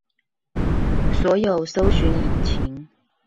所有搜尋引擎